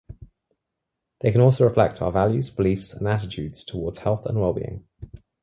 They can also reflect our values, beliefs, and attitudes towards health and well-being.